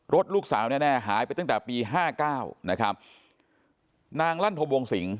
รถลูกสาวแน่หายไปตั้งแต่ปี๕๙นะครับนางลั่นโทบวงสิง